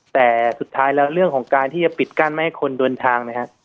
แต่สุดท้ายแล้วเรื่องของการที่จะปิดกั้นไม่ให้คนเดินทางนะครับ